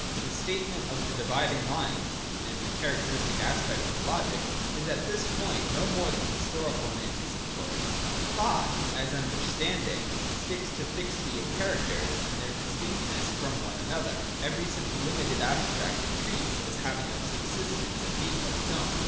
— The state ment of the dividing lines and the characteristic aspects of logic is at this point no more than historical and anti cipatory. 80.] (a) Thought, as Understanding, sticks to fixity of characters and their distinctness from one another : every such limited abstract it treats as having a sub sistence and being of its own.